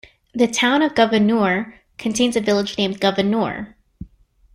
The Town of Gouverneur contains a village named Gouverneur.